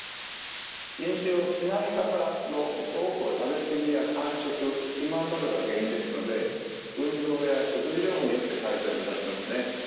飲酒をしない方の多くは食べすぎや間食肥満などが原因ですので運動や食事療法によって改善を目指しますね。